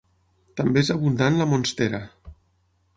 També és abundant la monstera.